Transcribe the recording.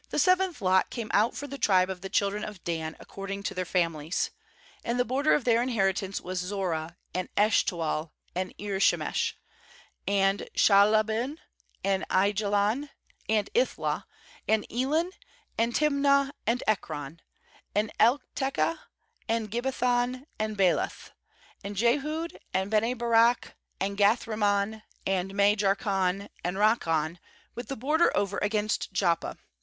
40The seventh lot came out for the tribe of the children of Dan according to their families. ^And the border of their inheritance was Zorah, and Eshtaol, and Ir shemesh; ^and Shaal abbin, and Aijalon, and Ithlah; ^and Elon, and Timnah, and Ekron; 44and Eltekeh, and Gibbethon, and Baalath; 46and Jehud, and Bene berak, and Gath rimmon; 46and Me jarkon, and Rakkon, with the border over against Joppa.